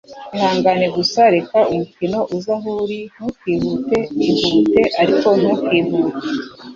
Ihangane gusa. Reka umukino uze aho uri. Ntukihute. Ihute, ariko ntukihute. ”